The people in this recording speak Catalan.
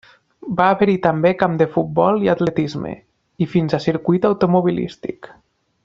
Va haver-hi també camp de futbol i atletisme, i fins a circuit automobilístic.